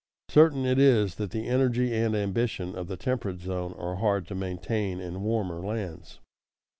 Certain it is that the energy and ambition of the temperate zone are hard to maintain in warmer lands.